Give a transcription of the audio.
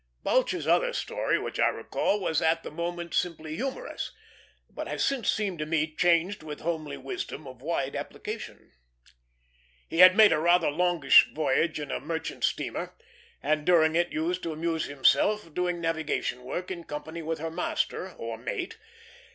Balch's other story which I recall was at the moment simply humorous, but has since seemed to me charged with homely wisdom of wide application. He had made a rather longish voyage in a merchant steamer, and during it used to amuse himself doing navigation work in company with her master, or mate.